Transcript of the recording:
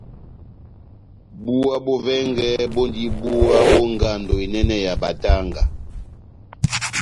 Búwa bó vɛngɛ bondi búwa bó ngando enɛnɛ ya batanga.